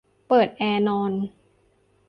เปิดแอร์นอน